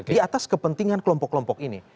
di atas kepentingan kelompok kelompok ini